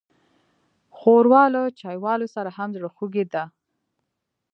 ښوروا له چايوالو سره هم زړهخوږې ده.